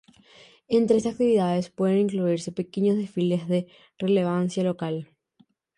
Entre estas actividades pueden incluirse pequeños desfiles de relevancia local.